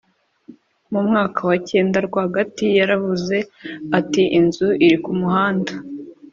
mu mwaka wa cyenda rwagati Yaravuze ati inzu iri ku muhanda